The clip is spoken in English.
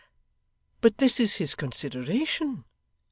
But this is his consideration!